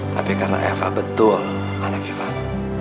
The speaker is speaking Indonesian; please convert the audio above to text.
tapi karena eva betul anak ivan